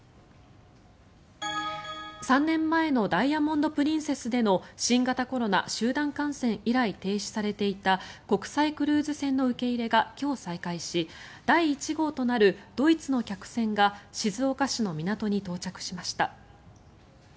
３年前の「ダイヤモンド・プリンセス」での新型コロナ集団感染以来停止されていた国際クルーズ船の受け入れが今日、再開し第１号となるドイツの客船が静岡市の港に到着しました。